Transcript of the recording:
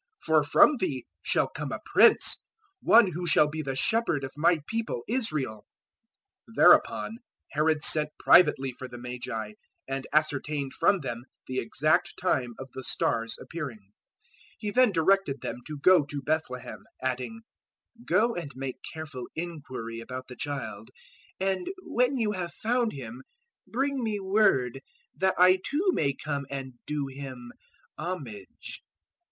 For from thee shall come a prince one who shall be the Shepherd of My People Israel.'" 002:007 Thereupon Herod sent privately for the Magi and ascertained from them the exact time of the star's appearing. 002:008 He then directed them to go to Bethlehem, adding, "Go and make careful inquiry about the child, and when you have found him, bring me word, that I too may come and do him homage."